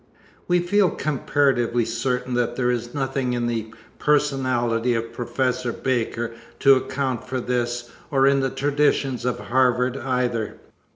We feel comparatively certain that there is nothing in the personality of Professor Baker to account for this or in the traditions of Harvard, either.